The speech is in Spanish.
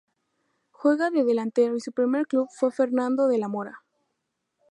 Juega de delantero y su primer club fue Fernando de la Mora.